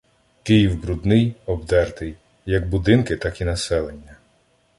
Київ - брудний, обдертий, — як будинки, так і населення.